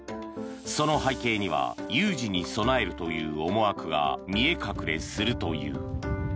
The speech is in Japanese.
その背景には有事に備えるという思惑が見え隠れするという。